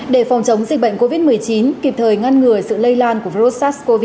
để phòng chống dịch bệnh covid một mươi chín kịp thời ngăn ngừa sự lây lan của virus sars cov hai